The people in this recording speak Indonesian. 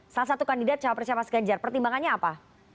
salah satu kandidat cawapresnya mas ganjar pertimbangannya apa